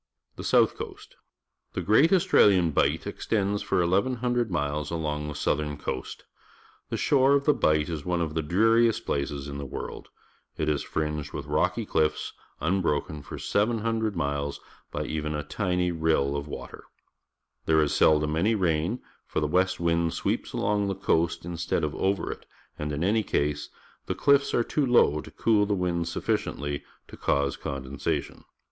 The South Coast. — T he Great Au stralian Bight e xtends f or 1,100 miles along tlip niitli ern_coast. The shore <if tlie ISiiiht i nui' of the dreariest places i n the whole WMrM. It is fringed with rocky cliffs, unlnuktMi for 700 miles by even a tinj^ rill of water. There is seldom any rain, for the west wind sweeps along the coast instead of over it, and, in any case, the chffs are too low to cool the wind sufficiently to cause condensation.